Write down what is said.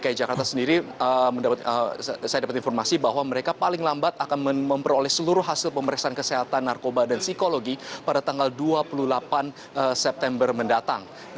dki jakarta sendiri saya dapat informasi bahwa mereka paling lambat akan memperoleh seluruh hasil pemeriksaan kesehatan narkoba dan psikologi pada tanggal dua puluh delapan september mendatang